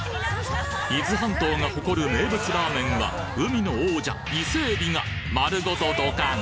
伊豆半島が誇る名物ラーメンは海の王者伊勢海老が丸ごとドカン！